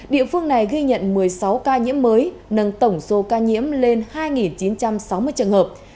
địa phương này ghi nhận một mươi sáu ca nhiễm mới nâng tổng số ca nhiễm lên hai chín trăm sáu mươi trường hợp